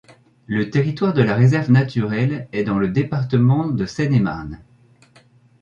Le territoire de la réserve naturelle est dans le département de Seine-et-Marne.